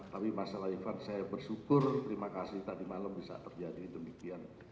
tapi masalah ivan saya bersyukur terima kasih tadi malam bisa terjadi demikian